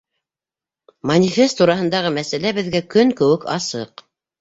Манифест тураһындағы мәсьәлә беҙгә көн кеүек асыҡ.